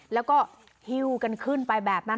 แล้วก็ฮิ้วกันขึ้นไปแบบนั้น